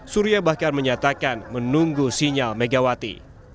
surya bahkan menyatakan menunggu sinyal megawati